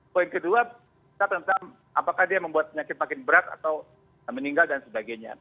poin kedua kita tentang apakah dia membuat penyakit makin berat atau meninggal dan sebagainya